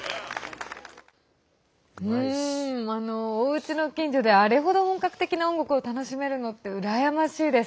おうちの近所であれ程、本格的な音楽を楽しめるのってうらやましいです。